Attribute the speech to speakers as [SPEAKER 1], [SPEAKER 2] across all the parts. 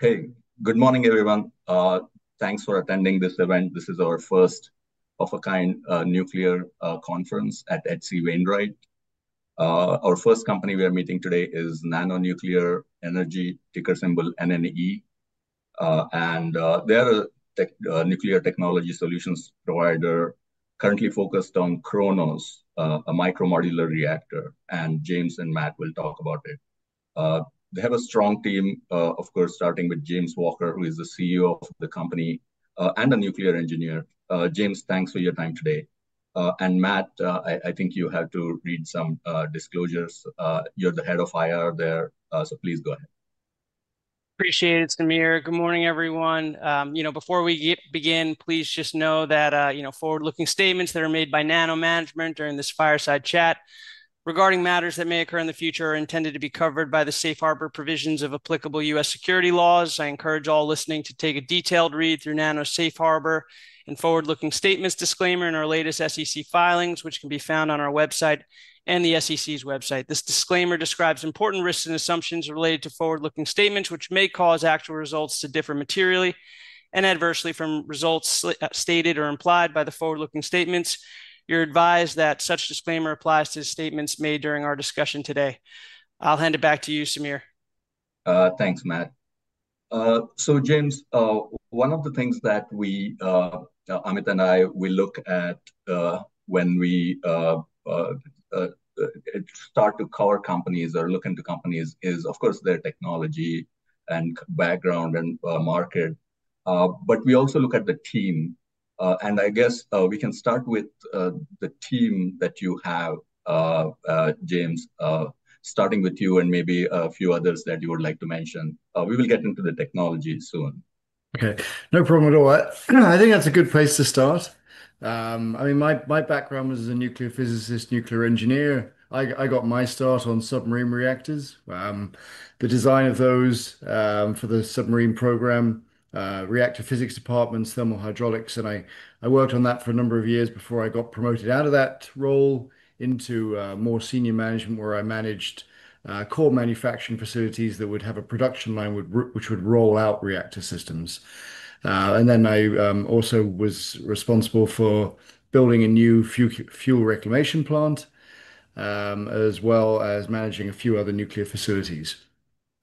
[SPEAKER 1] Okay, good morning, everyone. Thanks for attending this event. This is our first of a kind nuclear conference at H.C. Wainwright. Our first company we are meeting today is NANO Nuclear Energy, ticker symbol NNE. They are a nuclear technology solutions provider currently focused on KRONOS, a micro modular reactor. James and Matt will talk about it. They have a strong team, of course, starting with James Walker, who is the CEO of the company and a nuclear engineer. James, thanks for your time today. Matt, I think you have to read some disclosures. You're the Head of Investor Relations there, so please go ahead.
[SPEAKER 2] Appreciate it, Sameer. Good morning, everyone. Before we begin, please just know that forward-looking statements that are made by NANO management during this fireside chat regarding matters that may occur in the future are intended to be covered by the Safe Harbor provisions of applicable U.S. security laws. I encourage all listening to take a detailed read through NANO's Safe Harbor and forward-looking statements disclaimer in our latest SEC filings, which can be found on our website and the SEC's website. This disclaimer describes important risks and assumptions related to forward-looking statements, which may cause actual results to differ materially and adversely from results stated or implied by the forward-looking statements. You're advised that such disclaimer applies to statements made during our discussion today. I'll hand it back to you, Sameer.
[SPEAKER 1] Thanks, Matt. James, one of the things that Amit and I look at when we start to cover companies or look into companies is, of course, their technology and background and market. We also look at the team. I guess we can start with the team that you have, James, starting with you and maybe a few others that you would like to mention. We will get into the technology soon.
[SPEAKER 3] Okay, no problem at all. I think that's a good place to start. I mean, my background was as a nuclear physicist, nuclear engineer. I got my start on submarine reactors, the design of those for the submarine program, reactor physics departments, thermal hydraulics. I worked on that for a number of years before I got promoted out of that role into more senior management, where I managed core manufacturing facilities that would have a production line which would roll out reactor systems. I also was responsible for building a new fuel reclamation plant, as well as managing a few other nuclear facilities.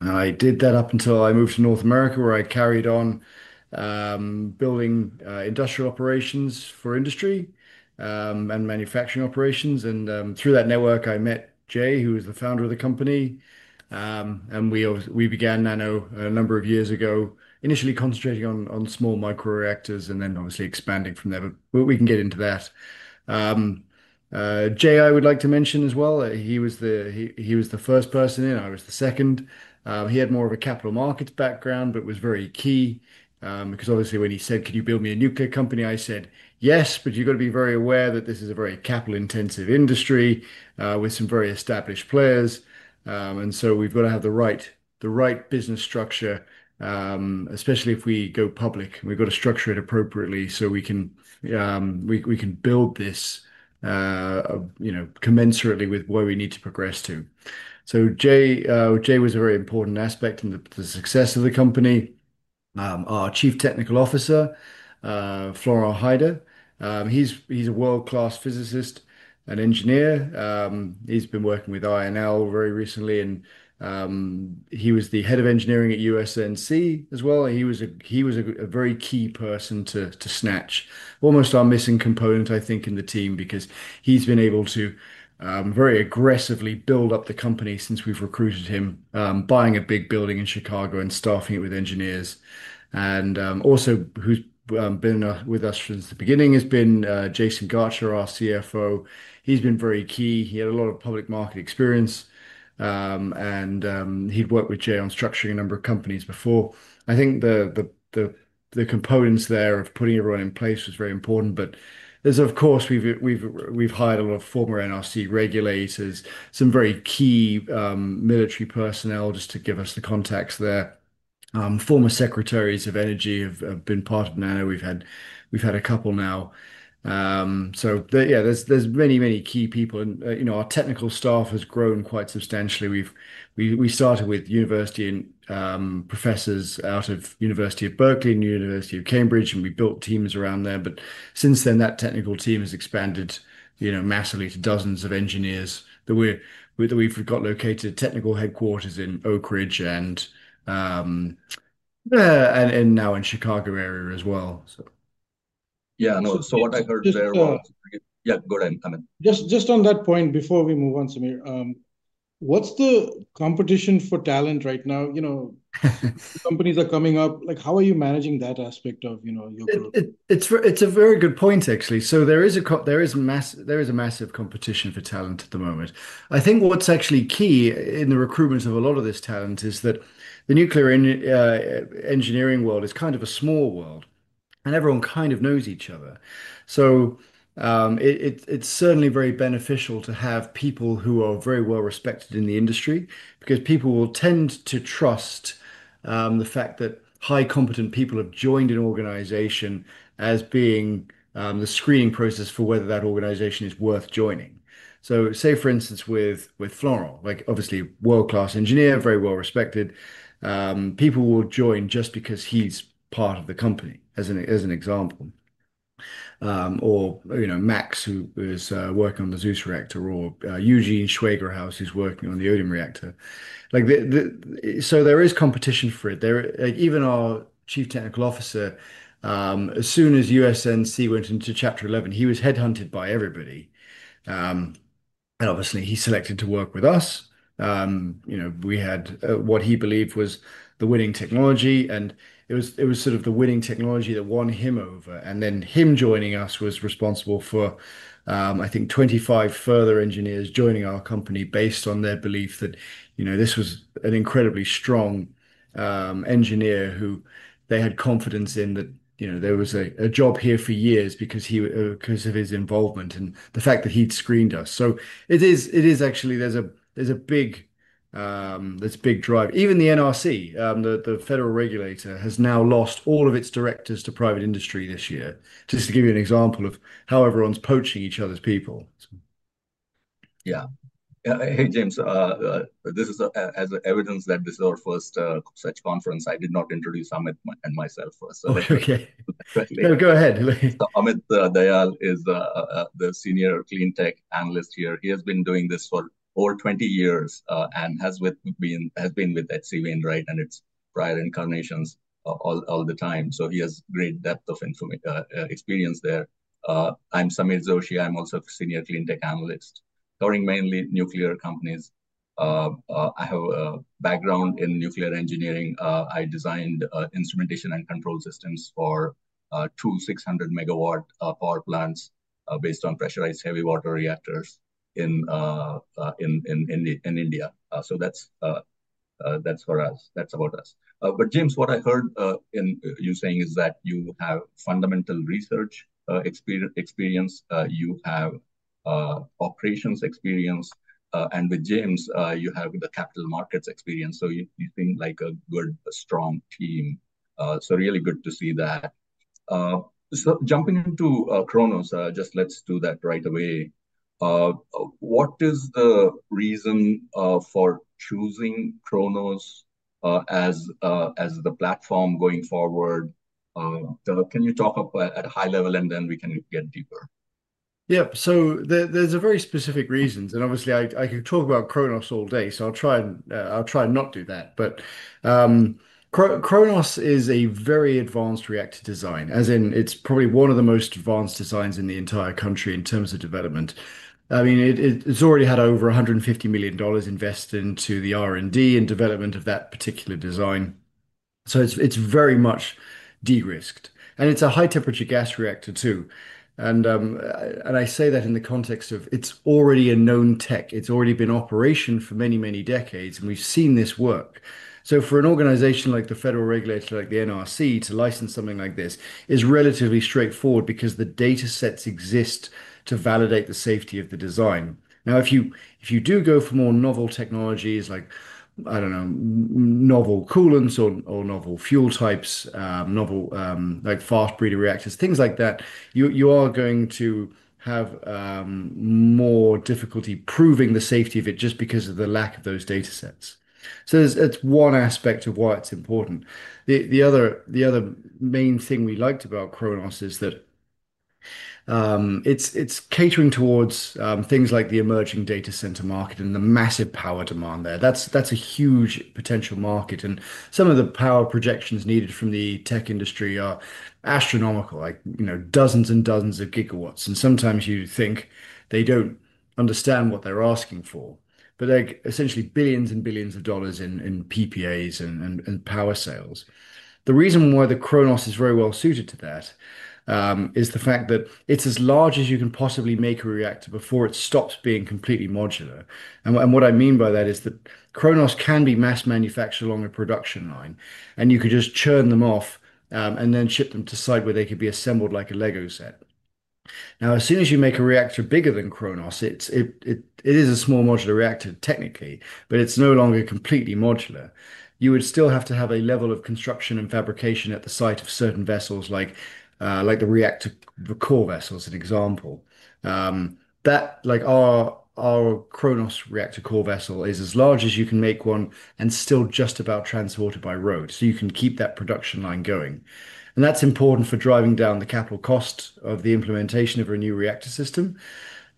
[SPEAKER 3] I did that up until I moved to North America, where I carried on building industrial operations for industry and manufacturing operations. Through that network, I met Jay, who was the founder of the company. We began NANO a number of years ago, initially concentrating on small micro reactors and then obviously expanding from there. We can get into that. Jay, I would like to mention as well. He was the first person in. I was the second. He had more of a capital markets background, but was very key because obviously when he said, "Can you build me a nuclear company?" I said, "Yes, but you've got to be very aware that this is a very capital-intensive industry with some very established players. We've got to have the right business structure, especially if we go public. We've got to structure it appropriately so we can build this, you know, commensurately with where we need to progress to." Jay was a very important aspect in the success of the company. Our Chief Technology Officer, Florent Heidet, he's a world-class physicist and engineer. He's been working with INL very recently. He was the head of engineering at USNC as well. He was a very key person to snatch, almost our missing component, I think, in the team because he's been able to very aggressively build up the company since we've recruited him, buying a big building in Chicago and staffing it with engineers. Also, who's been with us since the beginning has been Jaisun Garcha, our CFO. He's been very key. He had a lot of public market experience. He'd worked with Jay on structuring a number of companies before. I think the components there of putting everyone in place was very important. Of course, we've hired a lot of former NRC regulators, some very key military personnel, just to give us the contacts there. Former secretaries of energy have been part of NANO. We've had a couple now. Yeah, there's many, many key people. You know, our technical staff has grown quite substantially. We started with university professors out of University of California, Berkeley and University of Cambridge, and we built teams around them. Since then, that technical team has expanded massively to dozens of engineers that we've got located at technical headquarters in Oak Ridge and now in the Chicago area as well.
[SPEAKER 1] Yeah, no, what I heard there was, yeah, go ahead and come in.
[SPEAKER 4] Just on that point, before we move on, Sameer, what's the competition for talent right now? Companies are coming up. How are you managing that aspect of your group?
[SPEAKER 3] It's a very good point, actually. There is a massive competition for talent at the moment. I think what's actually key in the recruitment of a lot of this talent is that the nuclear engineering world is kind of a small world, and everyone kind of knows each other. It's certainly very beneficial to have people who are very well respected in the industry because people will tend to trust the fact that high-competent people have joined an organization as being the screening process for whether that organization is worth joining. For instance, with Florent, obviously a world-class engineer, very well respected, people will join just because he's part of the company, as an example. Or, you know, Max, who is working on the Zeus reactor, or Eugene Schweigerhaus, who's working on the Iridium reactor. There is competition for it. Even our Chief Technology Officer, as soon as USNC went into Chapter 11, he was headhunted by everybody. Obviously, he selected to work with us. We had what he believed was the winning technology. It was sort of the winning technology that won him over, and then him joining us was responsible for, I think, 25 further engineers joining our company based on their belief that this was an incredibly strong engineer who they had confidence in, that there was a job here for years because of his involvement and the fact that he'd screened us. There is actually a big drive. Even the NRC, the federal regulator, has now lost all of its directors to private industry this year, just to give you an example of how everyone's poaching each other's people.
[SPEAKER 1] Yeah. Hey James, this is as evidenced that this is our first such conference. I did not introduce Amit and myself.
[SPEAKER 3] Okay, go ahead.
[SPEAKER 1] Amit Dhayal is the Senior Clean Tech Analyst here. He has been doing this for over 20 years and has been with H.C. Wainwright and its prior incarnations all the time. He has great depth of experience there. I'm Sameer Joshi. I'm also a Senior Clean Tech Analyst, covering mainly nuclear companies. I have a background in nuclear engineering. I designed instrumentation and control systems for two 600 MW power plants based on pressurized heavy water reactors in India. That's about us. James, what I heard in you saying is that you have fundamental research experience. You have operations experience. With James, you have the capital markets experience. You seem like a good, strong team. Really good to see that. Jumping into KRONOS, let's do that right away. What is the reason for choosing KRONOS as the platform going forward? Can you talk up at a high level and then we can get deeper?
[SPEAKER 3] Yeah, so there's a very specific reason. Obviously, I could talk about KRONOS all day. I'll try and not do that. KRONOS is a very advanced reactor design, as in it's probably one of the most advanced designs in the entire country in terms of development. I mean, it's already had over $150 million invested into the R&D and development of that particular design. It's very much de-risked. It's a high-temperature gas reactor too. I say that in the context of it's already a known tech. It's already been in operation for many, many decades. We've seen this work. For an organization like the federal regulator, like the NRC, to license something like this is relatively straightforward because the data sets exist to validate the safety of the design. Now, if you do go for more novel technologies, like, I don't know, novel coolants or novel fuel types, novel like fast breeder reactors, things like that, you are going to have more difficulty proving the safety of it just because of the lack of those data sets. That's one aspect of why it's important. The other main thing we liked about KRONOS is that it's catering towards things like the emerging data center market and the massive power demand there. That's a huge potential market. Some of the power projections needed from the tech industry are astronomical, like, you know, dozens and dozens of gigawatts. Sometimes you think they don't understand what they're asking for. They're essentially billions and billions of dollars in PPAs and power sales. The reason why the KRONOS is very well suited to that is the fact that it's as large as you can possibly make a reactor before it stops being completely modular. What I mean by that is that KRONOS can be mass manufactured along a production line. You can just churn them off and then ship them to site where they could be assembled like a Lego set. Now, as soon as you make a reactor bigger than KRONOS, it is a small modular reactor technically, but it's no longer completely modular. You would still have to have a level of construction and fabrication at the site of certain vessels, like the reactor core vessels, an example. That, like our KRONOS reactor core vessel, is as large as you can make one and still just about transported by road. You can keep that production line going. That's important for driving down the capital cost of the implementation of a new reactor system.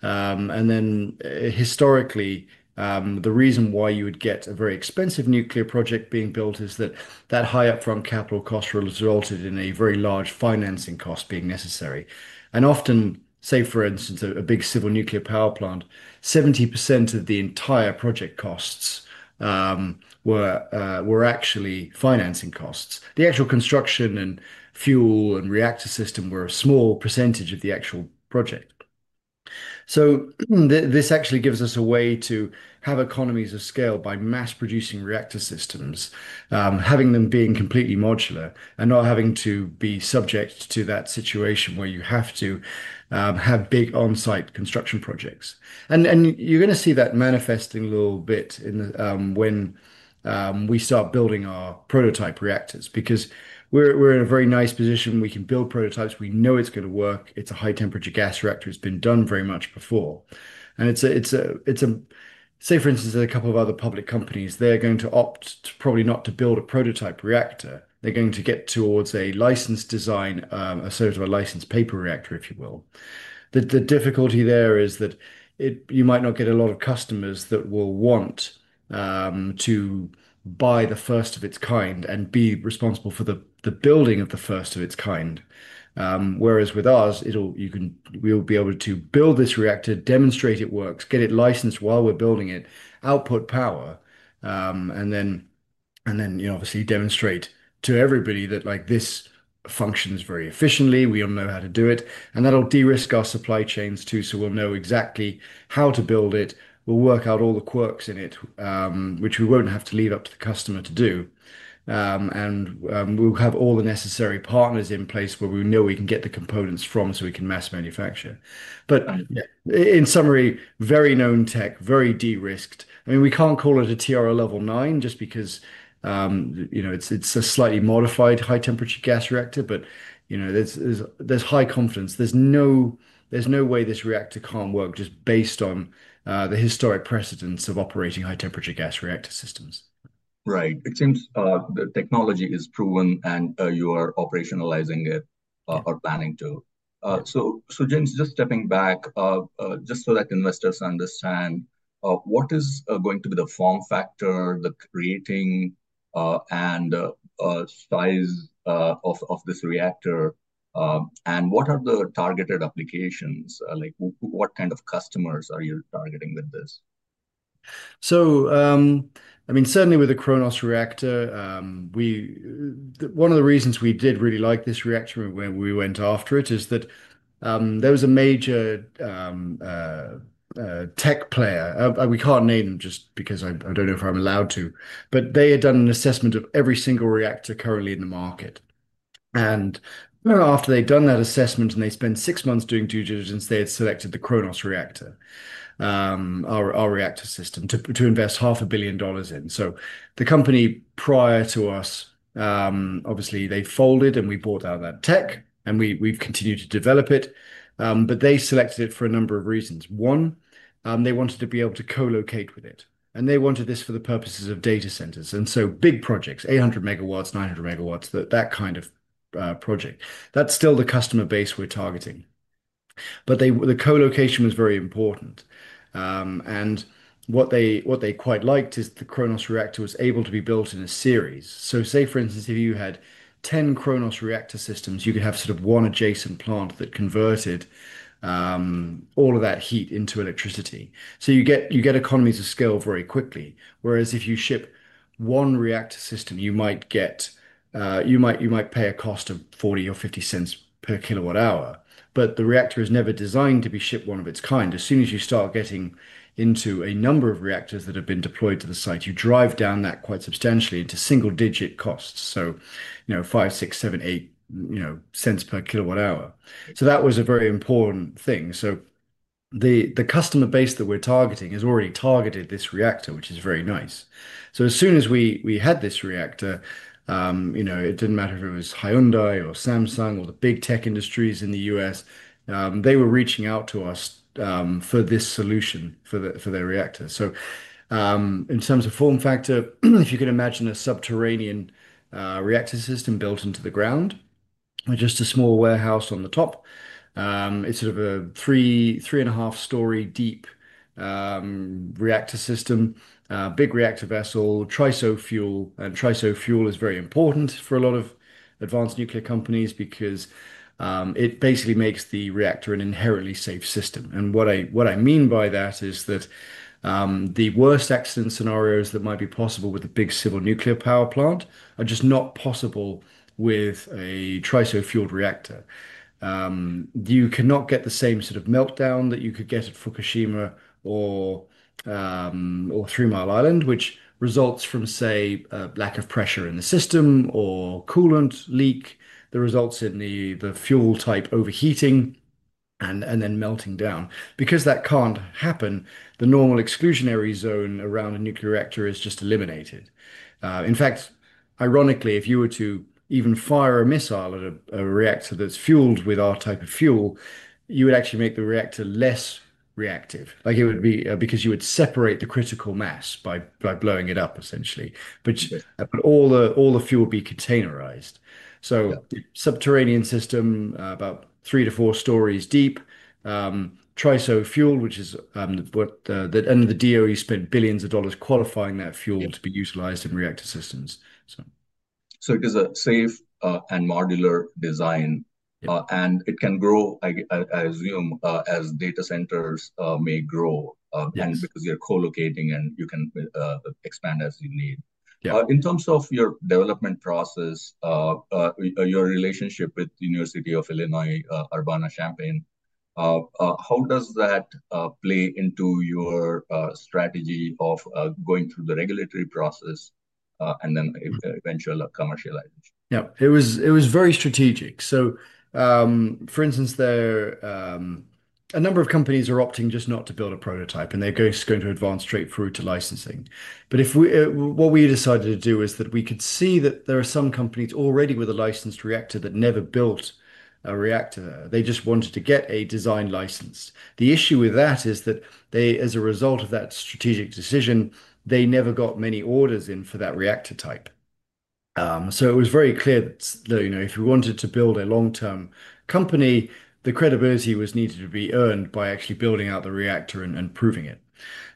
[SPEAKER 3] Historically, the reason why you would get a very expensive nuclear project being built is that that high upfront capital cost resulted in a very large financing cost being necessary. Often, say, for instance, a big civil nuclear power plant, 70% of the entire project costs were actually financing costs. The actual construction and fuel and reactor system were a small percentage of the actual project. This actually gives us a way to have economies of scale by mass producing reactor systems, having them being completely modular and not having to be subject to that situation where you have to have big on-site construction projects. You are going to see that manifesting a little bit when we start building our prototype reactors because we're in a very nice position. We can build prototypes. We know it's going to work. It's a high-temperature gas reactor. It's been done very much before. For instance, a couple of other public companies, they're going to opt probably not to build a prototype reactor. They're going to get towards a licensed design, a sort of a licensed paper reactor, if you will. The difficulty there is that you might not get a lot of customers that will want to buy the first of its kind and be responsible for the building of the first of its kind. Whereas with us, we'll be able to build this reactor, demonstrate it works, get it licensed while we're building it, output power, and then, you know, obviously demonstrate to everybody that like this functions very efficiently. We all know how to do it. That'll de-risk our supply chains too. We'll know exactly how to build it. We'll work out all the quirks in it, which we won't have to leave up to the customer to do. We'll have all the necessary partners in place where we know we can get the components from so we can mass manufacture. In summary, very known tech, very de-risked. I mean, we can't call it a TRL Level 9 just because, you know, it's a slightly modified high-temperature gas reactor. But, you know, there's high confidence. There's no way this reactor can't work just based on the historic precedence of operating high-temperature gas reactor systems.
[SPEAKER 1] Right. It seems the technology is proven and you are operationalizing it or planning to. James, just stepping back, just so that investors understand, what is going to be the form factor, the creating, and size of this reactor? What are the targeted applications? Like, what kind of customers are you targeting with this?
[SPEAKER 3] Certainly, with the KRONOS reactor, one of the reasons we did really like this reactor when we went after it is that there was a major tech player. We can't name them just because I don't know if I'm allowed to. They had done an assessment of every single reactor currently in the market. After they'd done that assessment and they spent six months doing due diligence, they had selected the KRONOS reactor, our reactor system, to invest $500 million in. The company, prior to us, obviously, they folded and we bought out that tech. We've continued to develop it. They selected it for a number of reasons. They wanted to be able to co-locate with it. They wanted this for the purposes of data centers and big projects, 800 MW, 900 MW, that kind of project. That's still the customer base we're targeting. The co-location was very important. What they quite liked is the KRONOS reactor was able to be built in a series. For instance, if you had 10 KRONOS reactor systems, you could have one adjacent plant that converted all of that heat into electricity. You get economies of scale very quickly. If you ship one reactor system, you might pay a cost of $0.40 or $0.50 per kilowatt hour, but the reactor is never designed to be shipped one of its kind. As soon as you start getting into a number of reactors that have been deployed to the site, you drive down that quite substantially into single-digit costs, you know, $0.05, $0.06, $0.07, $0.08 per kilowatt hour. That was a very important thing. The customer base that we're targeting has already targeted this reactor, which is very nice. As soon as we had this reactor, it didn't matter if it was Hyundai or Samsung or the big tech industries in the U.S., they were reaching out to us for this solution for their reactor. In terms of form factor, if you could imagine a subterranean reactor system built into the ground, just a small warehouse on the top, it's sort of a three, three and a half story deep reactor system, big reactor vessel, TRISO fuel. TRISO fuel is very important for a lot of advanced nuclear companies because it basically makes the reactor an inherently safe system. What I mean by that is that the worst accident scenarios that might be possible with a big civil nuclear power plant are just not possible with a TRISO-fueled reactor. You cannot get the same sort of meltdown that you could get at Fukushima or Three Mile Island, which results from, say, lack of pressure in the system or coolant leak that results in the fuel type overheating and then melting down. Because that can't happen, the normal exclusionary zone around a nuclear reactor is just eliminated. In fact, ironically, if you were to even fire a missile at a reactor that's fueled with our type of fuel, you would actually make the reactor less reactive. It would be because you would separate the critical mass by blowing it up, essentially. All the fuel would be containerized. Subterranean system, about three to four stories deep, TRISO fuel, which is what the DOE spent billions of dollars qualifying that fuel to be utilized in reactor systems.
[SPEAKER 1] It is a safe and modular design, and it can grow, I assume, as data centers may grow, because you're co-locating and you can expand as you need. In terms of your development process, your relationship with the University of Illinois Urbana-Champaign, how does that play into your strategy of going through the regulatory process and then eventual commercialization?
[SPEAKER 3] Yeah, it was very strategic. For instance, a number of companies are opting just not to build a prototype, and they're just going to advance straight through to licensing. What we decided to do is that we could see that there are some companies already with a licensed reactor that never built a reactor. They just wanted to get a design license. The issue with that is that they, as a result of that strategic decision, never got many orders in for that reactor type. It was very clear that, you know, if you wanted to build a long-term company, the credibility was needed to be earned by actually building out the reactor and proving it.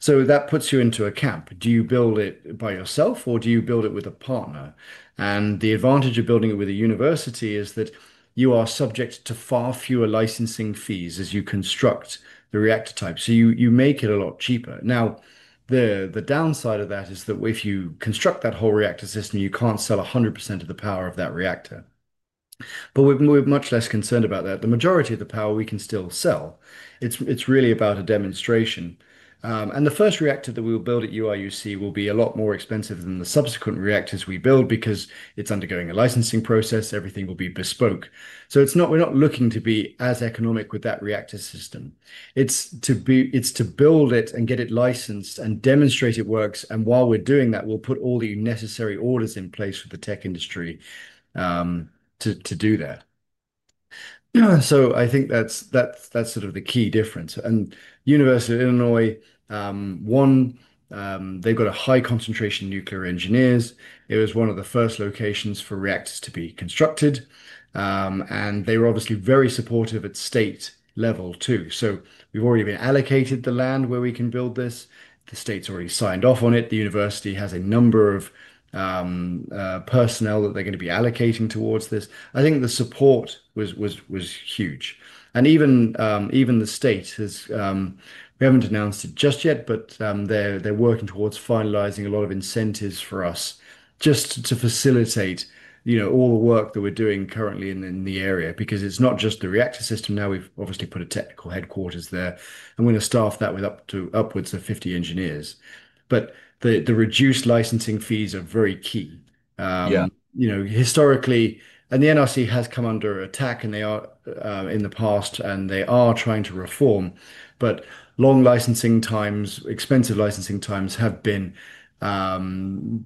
[SPEAKER 3] That puts you into a camp. Do you build it by yourself, or do you build it with a partner? The advantage of building it with a university is that you are subject to far fewer licensing fees as you construct the reactor type, so you make it a lot cheaper. Now, the downside of that is that if you construct that whole reactor system, you can't sell 100% of the power of that reactor. We're much less concerned about that. The majority of the power we can still sell. It's really about a demonstration. The first reactor that we will build at the UIUC will be a lot more expensive than the subsequent reactors we build because it's undergoing a licensing process. Everything will be bespoke. We're not looking to be as economic with that reactor system. It's to build it and get it licensed and demonstrate it works. While we're doing that, we'll put all the necessary orders in place for the tech industry to do that. I think that's sort of the key difference. University of Illinois, one, they've got a high concentration of nuclear engineers. It was one of the first locations for reactors to be constructed. They were obviously very supportive at state level too. We've already been allocated the land where we can build this. The state's already signed off on it. The university has a number of personnel that they're going to be allocating towards this. I think the support was huge. Even the state has, we haven't announced it just yet, but they're working towards finalizing a lot of incentives for us just to facilitate, you know, all the work that we're doing currently in the area because it's not just the reactor system. We've obviously put a technical headquarters there, and we're going to staff that with upwards of 50 engineers. The reduced licensing fees are very key. Historically, and the NRC has come under attack, and they are in the past, and they are trying to reform. Long licensing times, expensive licensing times have been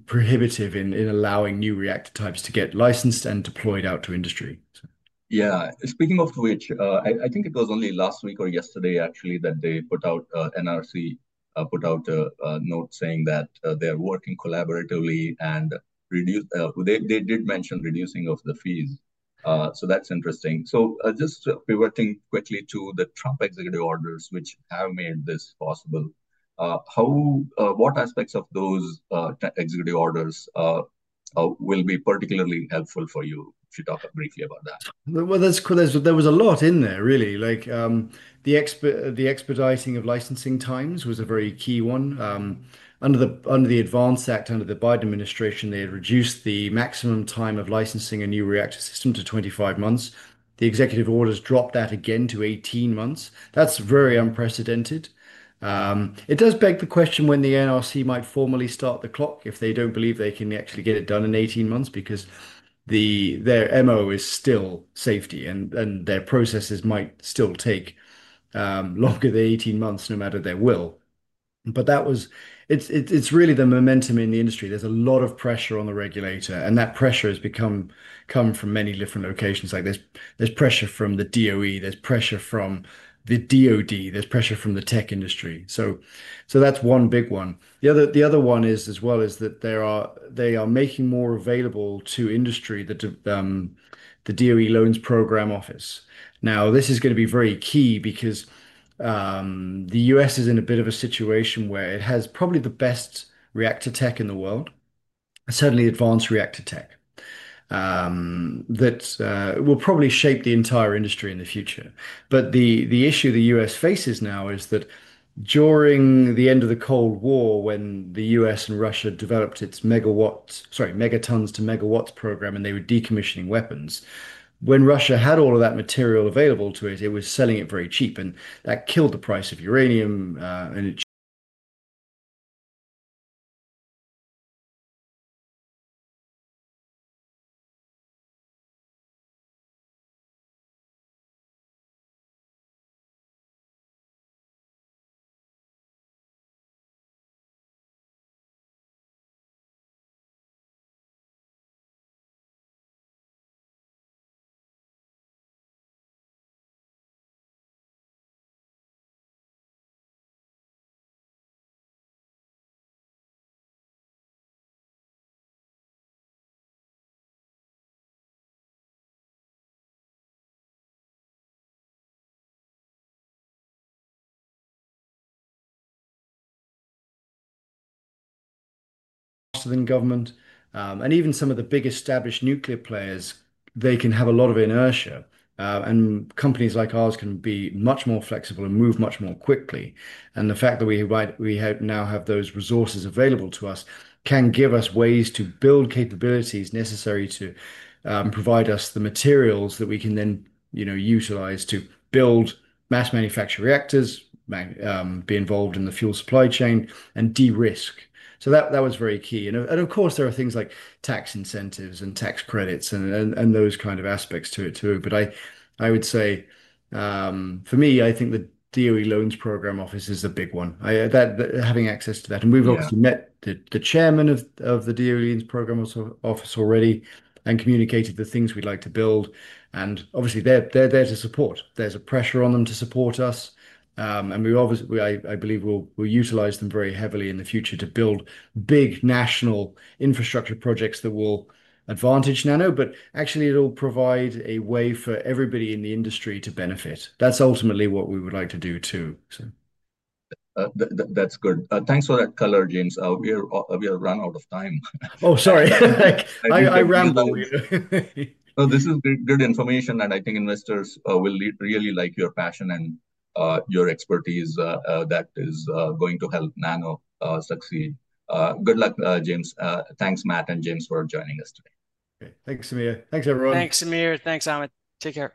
[SPEAKER 3] prohibitive in allowing new reactor types to get licensed and deployed out to industry.
[SPEAKER 1] Yeah, speaking of which, I think it was only last week or yesterday, actually, that the NRC put out a note saying that they're working collaboratively. They did mention reducing the fees. That's interesting. Just pivoting quickly to the Trump executive orders, which have made this possible, what aspects of those executive orders will be particularly helpful for you? If you talk briefly about that.
[SPEAKER 3] There was a lot in there, really. The expediting of licensing times was a very key one. Under the Advanced Act, under the Biden administration, they had reduced the maximum time of licensing a new reactor system to 25 months. The executive orders dropped that again to 18 months. That's very unprecedented. It does beg the question when the NRC might formally start the clock if they don't believe they can actually get it done in 18 months because their MO is still safety and their processes might still take longer than 18 months, no matter their will. That was, it's really the momentum in the industry. There's a lot of pressure on the regulator. That pressure has come from many different locations. There's pressure from the DOE. There's pressure from the DOD. There's pressure from the tech industry. That's one big one. The other one is, as well, that they are making more available to industry the DOE Loans Program Office. This is going to be very key because the U.S. is in a bit of a situation where it has probably the best reactor tech in the world, certainly advanced reactor tech, that will probably shape the entire industry in the future. The issue the United States faces now is that during the end of the Cold War, when the U.S. and Russia developed its megatons to megawatts program, and they were decommissioning weapons, when Russia had all of that material available to it, it was selling it very cheap. That killed the price of uranium. Southern government, and even some of the big established nuclear players, they can have a lot of inertia. Companies like ours can be much more flexible and move much more quickly. The fact that we now have those resources available to us can give us ways to build capabilities necessary to provide us the materials that we can then utilize to build mass manufactured reactors, be involved in the fuel supply chain, and de-risk. That was very key. Of course, there are things like tax incentives and tax credits and those kinds of aspects to it too. I would say, for me, I think the DOE Loans Program Office is a big one, having access to that. We've obviously met the chairman of the DOE Loans Program Office already and communicated the things we'd like to build. Obviously, they're there to support. There's a pressure on them to support us. We obviously, I believe, will utilize them very heavily in the future to build big national infrastructure projects that will advantage NANO. Actually, it'll provide a way for everybody in the industry to benefit. That's ultimately what we would like to do too.
[SPEAKER 1] That's good. Thanks for that color, James. We have run out of time.
[SPEAKER 3] Oh, sorry. I rambled.
[SPEAKER 1] No, this is good information. I think investors will really like your passion and your expertise. That is going to help NANO succeed. Good luck, James. Thanks, Matt and James, for joining us today.
[SPEAKER 3] Thanks, Sameer. Thanks, everyone.
[SPEAKER 2] Thanks, Sameer. Thanks, Amit. Take care.